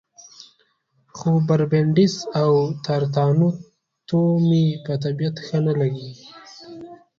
خو برېنډېسي او تارانتو مې په طبیعت ښه نه لګي.